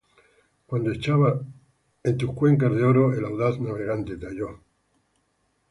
Cuando hechada en tus cuencas de oro el audaz navegante te halló;